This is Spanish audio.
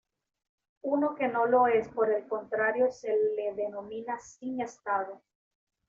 Uno que no lo es por el contrario se le denomina "sin estado".